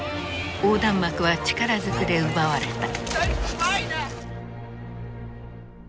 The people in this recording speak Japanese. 横断幕は力ずくで奪われた。